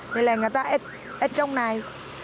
thì là người ta ếch trong này